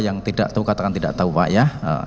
yang tidak tahu katakan tidak tahu pak ya